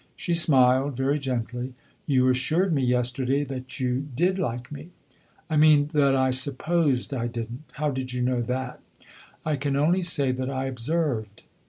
She smiled, very gently. "You assured me yesterday that you did like me." "I mean that I supposed I did n't. How did you know that?" "I can only say that I observed."